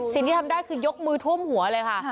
สิ่งที่ทำได้คือยกมือท่วมหัวเลยค่ะ